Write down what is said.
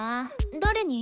誰に？